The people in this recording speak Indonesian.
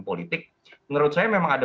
politik menurut saya memang ada